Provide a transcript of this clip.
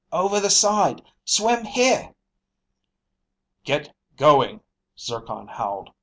Over the side! Swim here!" "Get going," Zircon howled.